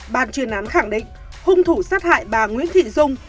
bàn truyền án khẳng định hung thủ sát hại bà nguyễn thị dung